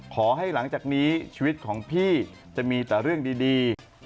ขอให้หลังจากนี้ชีวิตของพี่จะมีแต่เรื่องดี